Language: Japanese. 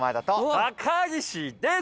高岸です！